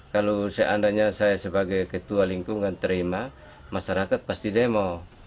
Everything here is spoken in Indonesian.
kalau seandainya saya sebagai ketua lingkungan terima masyarakat pasti demo